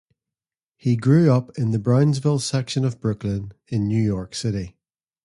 He grew up in the Brownsville section of Brooklyn in New York City.